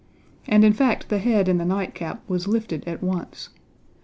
And in fact the head in the nightcap was lifted at once.